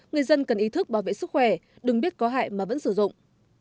người dân cần ý thức bảo vệ sức khỏe đừng biết có hại mà vẫn sử dụng